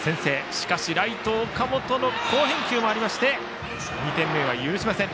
しかし、ライト、岡本の好返球もありまして２点目は許しません。